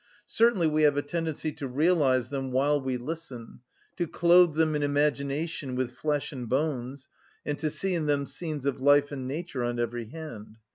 Certainly we have a tendency to realise them while we listen, to clothe them in imagination with flesh and bones, and to see in them scenes of life and nature on every hand.